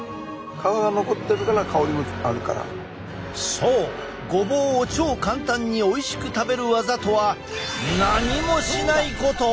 そうごぼうを超簡単においしく食べるワザとは何もしないこと！